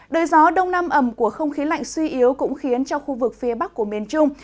đời gió đông nam ẩm của không khí lạnh suy yếu cũng khiến cho khu vực phía bắc của miền trung